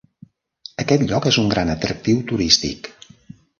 Aquest lloc és un gran atractiu turístic.